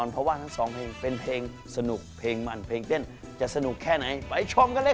เป็นร้อยมากเท่าไหร่